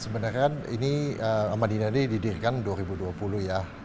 sebenarnya kan ini madinah ini didirikan dua ribu dua puluh ya